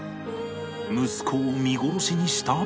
息子を見殺しにした？